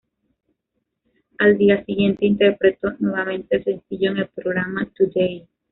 Al día siguiente interpretó nuevamente el sencillo en el programa "Today".